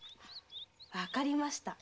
わかりました。